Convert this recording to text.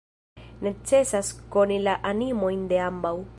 Necesas koni la animojn de ambaŭ.